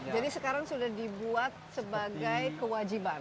jadi sekarang sudah dibuat sebagai kewajiban